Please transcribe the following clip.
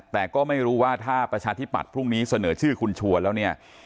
แต่ก็ไม่รู้ว่าถ้าประชาธิปัตย์พรุ่งนี้เสนอชื่อคุณชวนแล้วเนี่ย